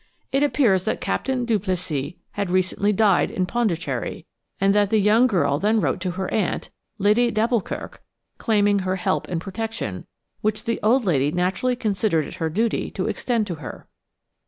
It appears that Captain Duplessis had recently died in Pondicherry, and that the young girl then wrote to her aunt, Lady d'Alboukirk, claiming her help and protection, which the old lady naturally considered it her duty to extend to her.